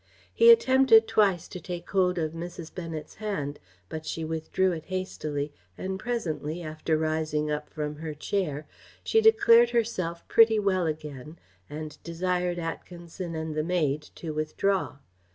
He attempted twice to take hold of Mrs. Bennet's hand, but she withdrew it hastily, and presently after, rising up from her chair, she declared herself pretty well again, and desired Atkinson and the maid to withdraw.